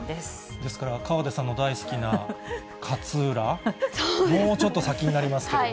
ですから河出さんの大好きな勝浦、もうちょっと先になりますけどね。